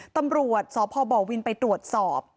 ตำรวจสพบวินไปตรวจสอบ